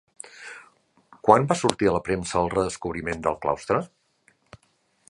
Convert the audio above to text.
Quan va sortir a la premsa el redescobriment del claustre?